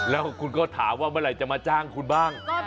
แล้วคุณก็ถามว่าเมื่อไหร่จะมาจ้างคุณบ้าง